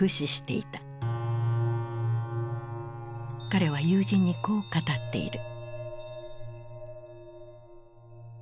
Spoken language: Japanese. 彼は友人にこう語っている。